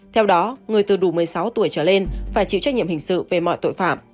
theo đó người từ đủ một mươi sáu tuổi trở lên phải chịu trách nhiệm hình sự về mọi tội phạm